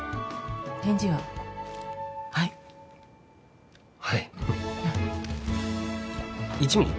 返事は「はい」はい１ミリ？